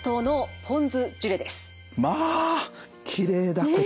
まあきれいだこと。